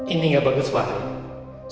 ini gak bagus banget